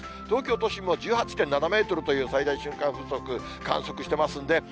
東京都心も１８．７メートルという最大瞬間風速観測してますんで、